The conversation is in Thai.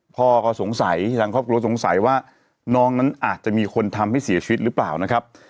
พ่อก็สงสัยทางครอบครัวสงสัยว่าน้องนั้นอาจจะมีคนทำให้เสียชีวิตหรือเปล่านะครับ